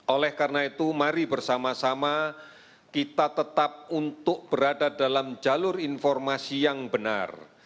oleh karena itu mari bersama sama kita tetap untuk berada dalam jalur informasi yang benar